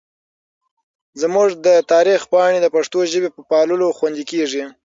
زموږ د تاریخ پاڼې د پښتو ژبې په پاللو خوندي کېږي.